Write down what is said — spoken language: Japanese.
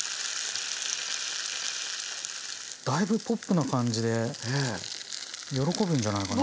だいぶポップな感じで喜ぶんじゃないかな。